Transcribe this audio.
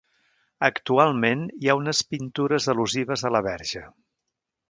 Actualment hi ha unes pintures al·lusives a la Verge.